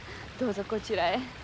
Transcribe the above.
どうぞこちらへ。